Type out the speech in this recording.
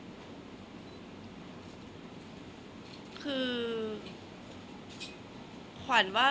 แต่ขวัญไม่สามารถสวมเขาให้แม่ขวัญได้